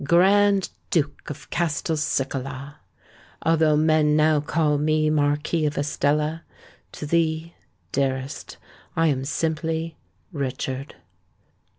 GRAND DUKE OF CASTELCICALA. "Although men now call me Marquis of Estella, to thee, dearest, I am simply "RICHARD."